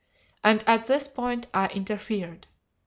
And at this point I interfered.